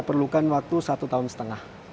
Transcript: perlukan waktu satu tahun setengah